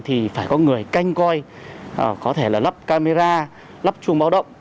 thì phải có người canh coi có thể là lắp camera lắp chuông báo động